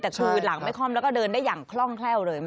แต่คือหลังไม่คล่อมแล้วก็เดินได้อย่างคล่องแคล่วเลย